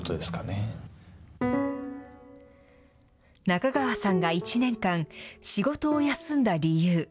中川さんが１年間、仕事を休んだ理由。